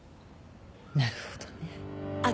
なるほどね。